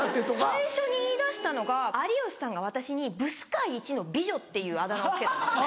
最初に言いだしたのが有吉さんが私に「ブス界いちの美女」っていうあだ名を付けたんですね。